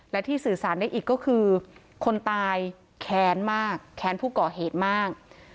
และที่สื่อสารได้อีกก็คือคนตายแค้นมากแค้นผู้ก่อเหตุมาก